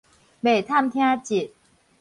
袂探聽得